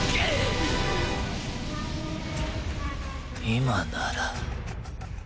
今なら